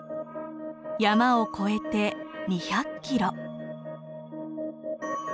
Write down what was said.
山を越えて２００キロ。